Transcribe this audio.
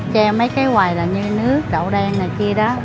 che mấy cái hoài là như nước đậu đen này kia đó